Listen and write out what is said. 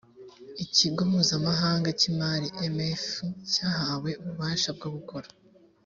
ikigo mpuzamahanga cy imari imf cyahawe ububasha bwo gukora